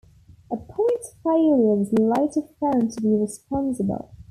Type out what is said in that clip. A points failure was later found to be responsible.